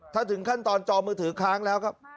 ถ้าถึงขั้นตอนจอมือถือค้างแล้วครับ